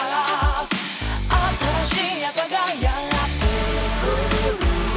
「新しい朝がやってくる」